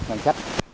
cái chính sách